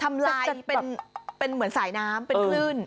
ลายเป็นเหมือนสายน้ำเป็นคลื่น